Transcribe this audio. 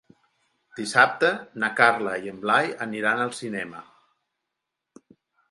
Dissabte na Carla i en Blai aniran al cinema.